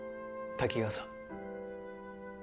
滝川さん